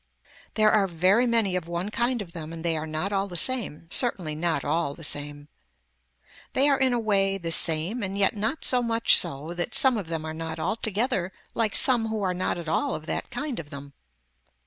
There are very many of one kind of them and they are not all the same, certainly not all the same. They are in a way the same and yet not so much so that some of them are not altogether like some who are not at all of that kind of them.